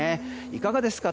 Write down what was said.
いかがですか？